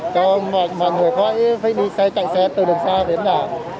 cho mọi người khói phải đi xe chạy xe từ đường xa đến nhà